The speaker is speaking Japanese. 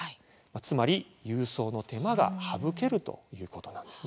つまり、郵送の手間が省けるということなんですね。